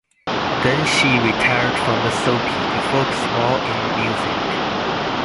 Then she retired from the soapie to focus more in music.